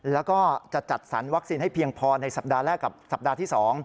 แล้วก็จะจัดสรรวัคซีนให้เพียงพอในสัปดาห์แรกกับสัปดาห์ที่๒